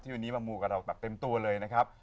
วันนี้มามูกับเราแบบเต็มตัวเลยนะครับ